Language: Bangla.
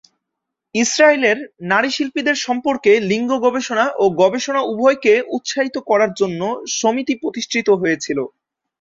ইসরাইলের নারী শিল্পীদের সম্পর্কে লিঙ্গ গবেষণা ও গবেষণা উভয়কে উৎসাহিত করার জন্য সমিতি প্রতিষ্ঠিত হয়েছিল।